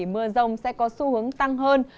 mưa rông sẽ có xu hướng tăng hơn